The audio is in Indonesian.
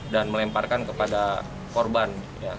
dan melemparkan kepada korban